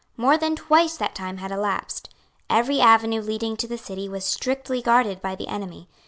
More than twice that time had elapsed. Every avenue leading to the city was strictly guarded by the enemy.